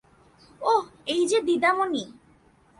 ওহ, এই যে দীদামণি।